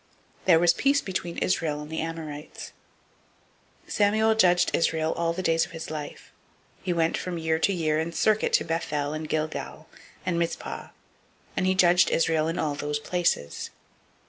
There was peace between Israel and the Amorites. 007:015 Samuel judged Israel all the days of his life. 007:016 He went from year to year in circuit to Bethel and Gilgal, and Mizpah; and he judged Israel in all those places.